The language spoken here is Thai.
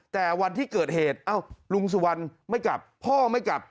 แต่วันที่เกิดเหตุลุงสุวรรณไม่กลับพ่อไม่กลับ